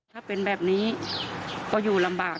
ถ้าเป็นแบบนี้ก็อยู่ลำบาก